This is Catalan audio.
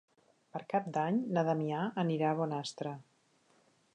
Per Cap d'Any na Damià anirà a Bonastre.